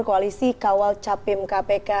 koalisi kawal capim kpk